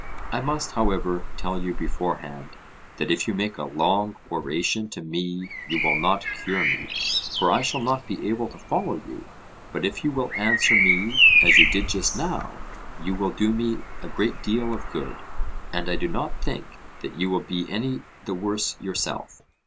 I must, however, tell you beforehand, that if you make a long oration to me you will not cure me, for I shall not be able to follow you; but if you will answer me, as you did just now, you will do me a great deal of good, and I do not think that you will be any the worse yourself.